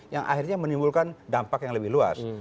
yang akhirnya menimbulkan dampak yang lebih luas